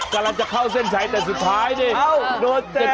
กำลังจะเข้าเส้นชัยแต่สุดท้ายนี่